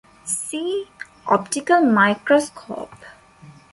"See" Optical microscope.